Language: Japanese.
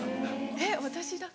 えっ私だけ？